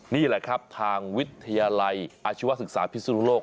นี่แหละครับทางวิทยาลัยอาชีวศึกษาพิศนุโลก